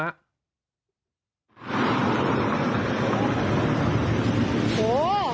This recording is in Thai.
โอ้โห